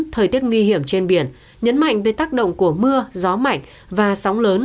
thời tiết nguy hiểm trên biển nhấn mạnh về tác động của mưa gió mạnh và sóng lớn